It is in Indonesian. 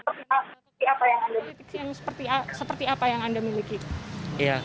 kemudian modal kekuatan politik seperti apa yang anda miliki